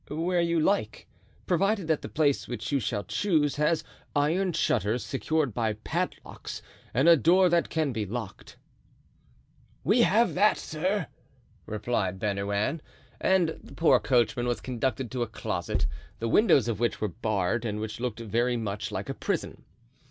"Where you like, provided that the place which you shall choose has iron shutters secured by padlocks and a door that can be locked." "We have that, sir," replied Bernouin; and the poor coachman was conducted to a closet, the windows of which were barred and which looked very much like a prison.